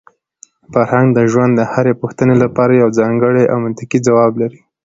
فرهنګ د ژوند د هرې پوښتنې لپاره یو ځانګړی او منطقي ځواب لري.